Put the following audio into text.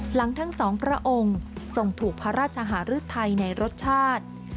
หลังทั้งสองพระองค์ทรงถูกพระราชหารุทัยในรสชาติ